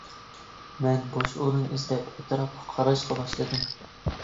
مەن بوش ئورۇن ئىزدەپ ئەتراپقا قاراشقا باشلىدىم.